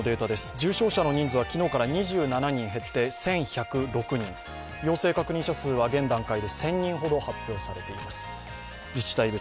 重症者の人数は昨日から２７人減って１１０６人、陽性確認者数は現段階で１０００人ほど発表されています。